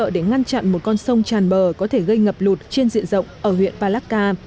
hỗ trợ để ngăn chặn một con sông tràn bờ có thể gây ngập lụt trên diện rộng ở huyện palakka